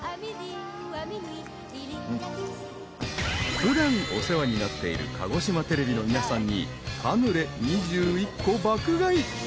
［普段お世話になっている鹿児島テレビの皆さんにカヌレ２１個爆買い］